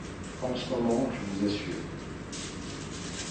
Pas en ce moment, je vous assure.